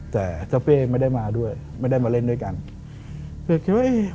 แต่เจ้าเป้ไม่ได้มาด้วยไม่ได้มาเล่นด้วยกันเป้คิดว่าเอ๊ะ